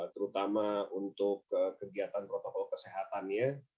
terutama untuk kegiatan protokol kesehatannya